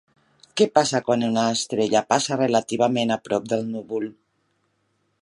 Què passa quan una estrella passa relativament a prop del núvol?